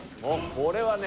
これはね